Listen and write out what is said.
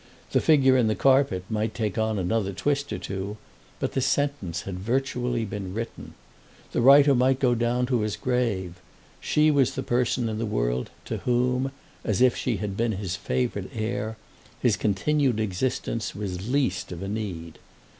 The figure in the carpet might take on another twist or two, but the sentence had virtually been written. The writer might go down to his grave: she was the person in the world to whom—as if she had been his favoured heir—his continued existence was least of a need.